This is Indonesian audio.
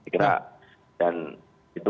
kira dan itu